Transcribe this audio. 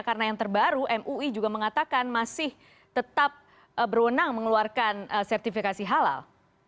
karena yang terbaru mui juga mengatakan masih tetap berwenang mengeluarkan sertifikasi halal